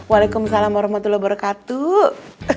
waalaikumsalam warahmatullahi wabarakatuh